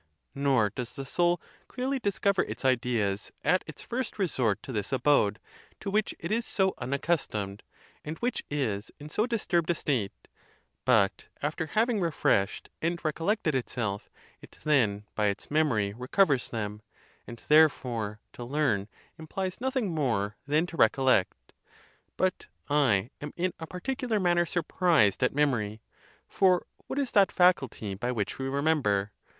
Nor does the soul clearly discover its ideas at its first resort to this abode to which it is so unaccustomed, and which is in so disturbed a state; but after having re freshed and recollected itself, it then by its memory re covers them; and, therefore, to learn implies nothing more than to recollect. But I am in a particular manner sur prised at memory. For what is that faculty by which we remember?